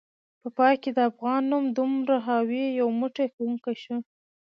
په پای کې د افغان نوم دومره حاوي، یو موټی کونکی شو